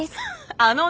あのね